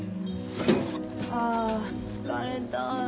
あ疲れた。